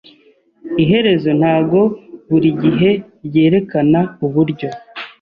Iherezo ntabwo buri gihe ryerekana uburyo.